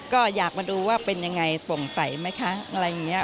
ก็อยากมาดูว่าเป็นอย่างไรสงสัยไหมคะอะไรอย่างนี้